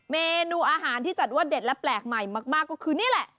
เมนูอาหารที่จัดว่าเด็ดและแปลกใหม่มากก็คือนี่แหละ